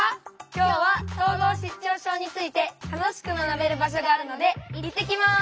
今日は統合失調症について楽しく学べる場所があるのでいってきます。